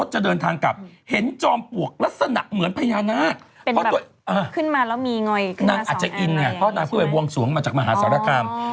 สไตล์บุฟเฟต์สวยสุดคุ้มกว่า๒๕๐สาขา